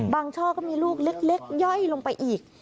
ช่อก็มีลูกเล็กย่อยลงไปอีก